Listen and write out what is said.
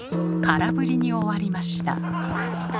空振りに終わりました。